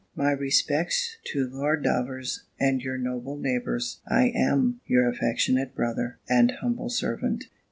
My respects to Lord Davers, and your noble neighbours. I am, your affectionate brother, and humble servant.